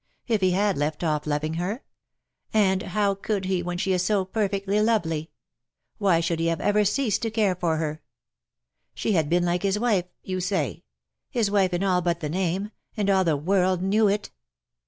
— if he had left off loving her. And how could he when she is so perfectly lovely ? Why should he have ever ceased to care for her? She had been like his wife, you say — his wife in all but the name — and all the world knew it.